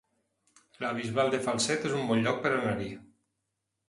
La Bisbal de Falset es un bon lloc per anar-hi